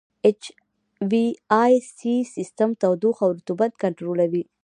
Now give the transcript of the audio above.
اچ وي اې سي سیسټم تودوخه او رطوبت کنټرولوي.